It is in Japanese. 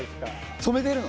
染めてるの？